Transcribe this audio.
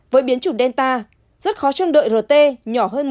với biến chủ delta rất khó chăm đợi rt nhỏ hơn một